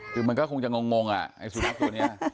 คือมันก็คงจะงงอ่ะไอ้สุนัขตัวนี้